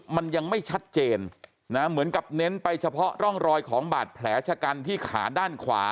มันยังไม่ชัดเจนนะเหมือนกับเน้นไปเฉพาะร่องรอยของบาดแผลชะกันที่ขาด้านขวา